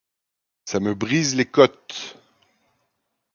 Ça me brise les côtes!